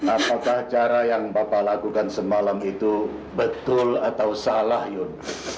apakah cara yang bapak lakukan semalam itu betul atau salah yun